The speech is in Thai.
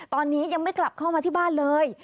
ตอนนี้ยังไม่กลับเข้ามาที่บ้านเลย